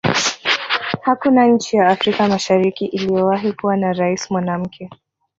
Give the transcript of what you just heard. hakuna nchi ya afrika mashariki iliyowahi kuwa na raisi mwanamke